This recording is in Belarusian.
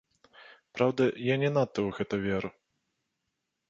Праўда, я не надта ў гэта веру.